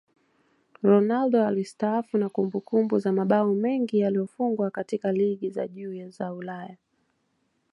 Ronaldo atastaafu na kumbukumbu za mabao mengi yaliyofungwa katika ligi za juu za Ulaya